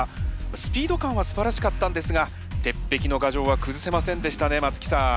スピード感はすばらしかったんですが鉄壁の牙城は崩せませんでしたね松木さん。